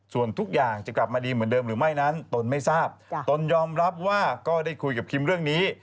ส่วนทุกอย่างจะกลับมาดีเหมือนเดิมหรือไม่นั้นตนไม่ทราบตนยอมรับว่าก็ได้คุยกับคิมเรื่องนี้